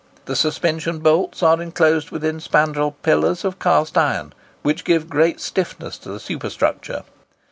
The suspension bolts are enclosed within spandril pillars of cast iron, which give great stiffness to the superstructure.